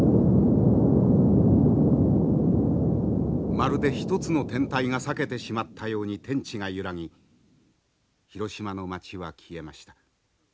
まるで一つの天体が裂けてしまったように天地が揺らぎ広島の町は消えました。